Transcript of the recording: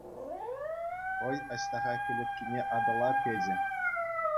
Хӑй Аҫтаха кӗлеткине Атӑла печӗ.